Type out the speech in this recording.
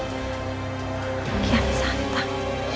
kagak yang disantai